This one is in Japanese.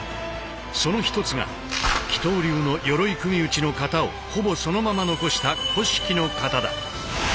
その一つが起倒流の鎧組討の形をほぼそのまま残した古式の形だ。